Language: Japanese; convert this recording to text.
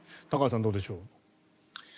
玉川さん、どうでしょう。